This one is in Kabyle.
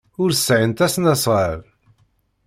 Ur sɛint asnasɣal.